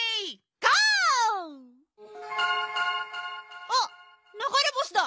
ゴ！あっながれぼしだ。